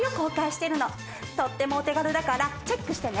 とってもお手軽だからチェックしてね。